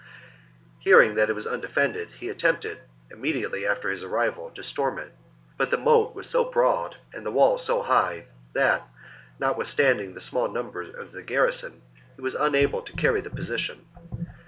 Hearing that it was undefended, he attempted, immediately after his arrival, to storm it ; but the moat was so broad and the wall so high that, notwithstanding the small numbers of the garrison, he was unable to carry the position.